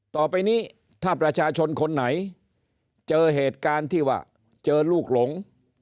ต่อไปนี้ถ้าประชาชนคนไหนเจอเหตุการณ์ที่ว่าเจอลูกหลง